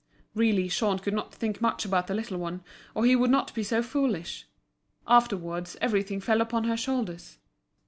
Really Jean could not think much about the little one, or he would not be so foolish. Afterwards, everything fell upon her shoulders.